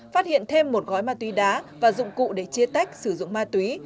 phát hiện thêm một gói ma túy đá và dụng cụ để chia tách sử dụng ma túy